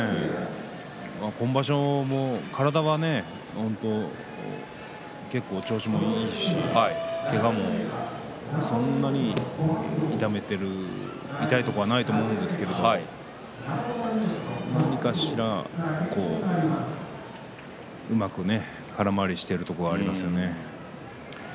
今場所体が結構、調子もいいしけがもそんなに痛いところはないと思うんですが何かしら、うまくから回りしているところがありますね。